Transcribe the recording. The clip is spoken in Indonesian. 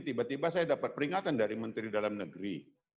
tiba tiba saya dapat peringatan dari menteri dalam negeri